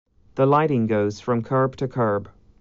The lighting goes from curb to curb.